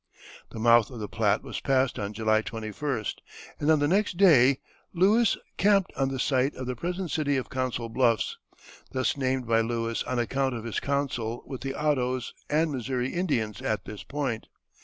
The mouth of the Platte was passed on July 21st, and on the next day Lewis camped on the site of the present city of Council Bluffs, thus named by Lewis on account of his council with the Ottoes and Missouri Indians at this point.